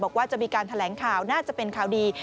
บอกว่าจะมีการแถลงข่าวน่าจะเป็นข่าวดี